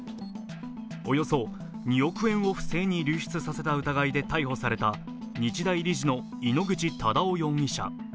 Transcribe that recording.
およそ２億円を不正に流出させた疑いで逮捕された日大理事の井ノ口忠男容疑者。